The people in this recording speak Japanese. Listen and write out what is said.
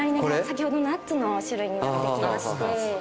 先ほどのナッツの種類になってきまして。